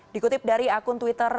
dikutip dari akun twitter